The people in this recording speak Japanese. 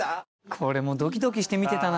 これもドキドキして見てたな。